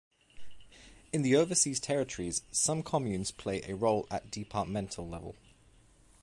In the overseas territories, some communes play a role at departmental level.